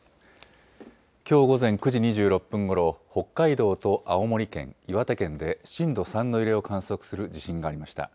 きょう午前９時２６分ごろ北海道と青森県、岩手県で震度３の揺れを観測する地震がありました。